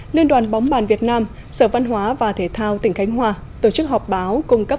liên đoàn bóng bàn việt nam sở văn hóa và thể thao tỉnh khánh hòa tổ chức họp báo cung cấp